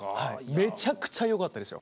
めちゃくちゃよかったですよ。